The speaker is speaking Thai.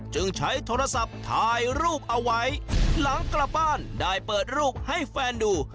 จึงใช้โทรศัพท์ถ่ายรูปเอาไว้หลังกลับบ้านได้เปิดรูปให้แฟนดู